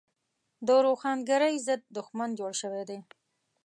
د روښانګرۍ ضد دښمن جوړ شوی دی.